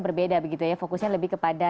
berbeda begitu ya fokusnya lebih kepada